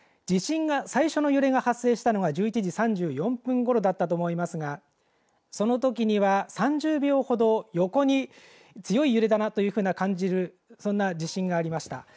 地震が最初の揺れが発生したのが１１時３４分ごろだったと思いますがそのときには３０秒ほど横に強い揺れだなというふうに感じるそんな地震がありました。